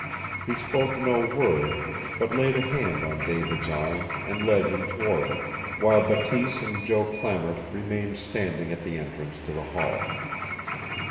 He spoke no word, but laid a hand on David's arm and led him toward it, while Bateese and Joe Clamart remained standing at the entrance to the hall.